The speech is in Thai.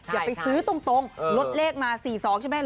อย่าไปซื้อตรงลดเลขมา๔๒ใช่ไหม